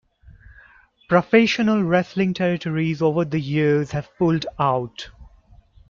Professional wrestling territories over the years have pulled out.